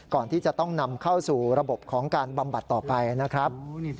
ก่อนที่จะต้องนำเข้าสู่ระบบของการบำบัดต่อไปนะครับ